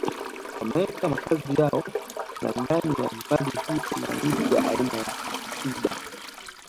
Wameweka makazi yao na ndani ya hifadhi hii kuna miti aina ya Cidar